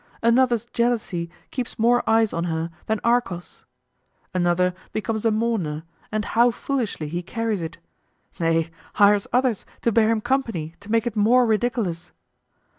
Another's jealousy keeps more eyes on her than Argos. Another becomes a mourner, and how foolishly he carries it! nay, hires others to bear him company to make it more ridiculous.